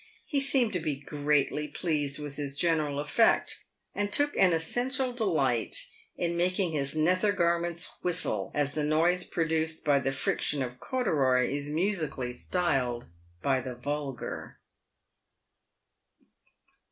He seemed to be greatly pleased with his general effect, and took an essential delight in making his nether garments " whistle," as the noise produced by the friction of corduroy is musically styled by the vulgar.